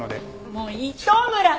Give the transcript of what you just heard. もう糸村くん！